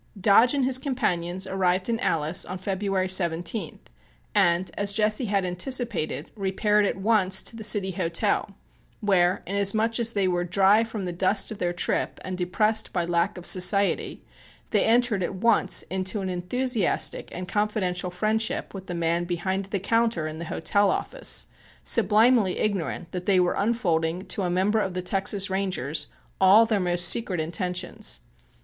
Dodge and his companions arrived in Alice on February 17th, and, as Jesse had anticipated, repaired at once to the City Hotel, where, inasmuch as they were dry from the dust of their trip and depressed by lack of society, they entered at once into an enthusiastic and confidential friendship with the man behind the counter in the hotel office, sublimely ignorant that they were unfolding to a member of the Texas Rangers all their most secret intentions.